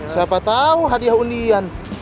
siapa tau hadiah ulian